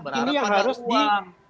berharap ada uang